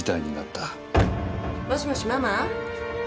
もしもしママ？